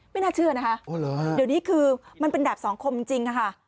ไม่น่าเชื่อนะคะเดี๋ยวนี้คือมันเป็นดาบสังคมจริงค่ะ